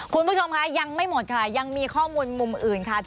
คุณผู้ชมค่ะยังไม่หมดค่ะยังมีข้อมูลมุมอื่นค่ะ